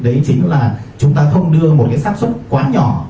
đấy chính là chúng ta không đưa một cái sát xuất quá nhỏ